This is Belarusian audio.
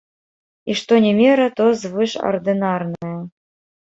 І што не мера, то звышардынарная.